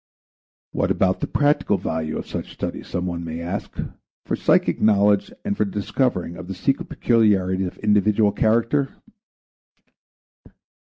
What about the practical value of such study some one may ask, for psychic knowledge and for the discovering of the secret peculiarities of individual character?